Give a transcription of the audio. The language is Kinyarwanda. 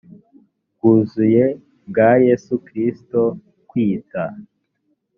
bwuzuye bwa yesu kristo kwita